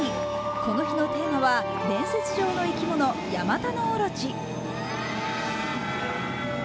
この日のテーマは、伝説上の生き物ヤマタノオノチ。